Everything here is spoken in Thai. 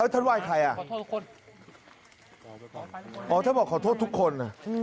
ท่านว่ายใครอ๋อท่านบอกขอโทษทุกคน